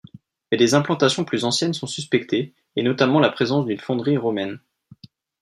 Mais des implantations plus anciennes sont suspectées, et notamment la présence d'une fonderie romaine.